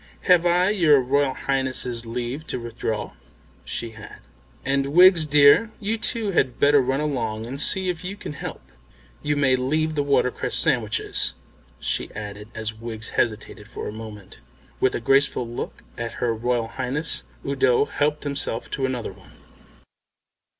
Have I your Royal Highness's leave to withdraw?" She had. "And, Wiggs, dear, you too had better run along and see if you can help. You may leave the watercress sandwiches," she added, as Wiggs hesitated for a moment. With a grateful look at her Royal Highness Udo helped himself to another one.